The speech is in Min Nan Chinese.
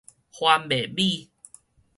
番麥米